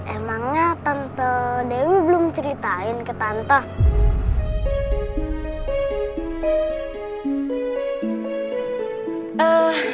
emangnya tante dewi belum ceritain ke tante